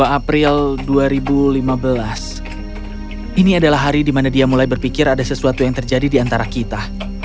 dua april dua ribu lima belas ini adalah hari di mana dia mulai berpikir ada sesuatu yang terjadi di antara kita